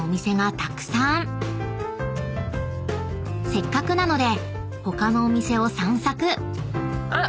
［せっかくなので他のお店を散策］